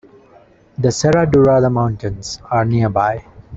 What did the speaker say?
The Serra Dourada Mountains are nearby.